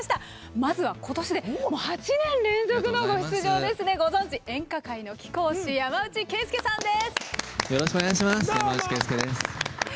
まずは今年で８年連続のご出場ですねご存じ演歌界の貴公子山内惠介さんです。